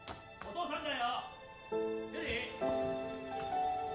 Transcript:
お父さんだよ！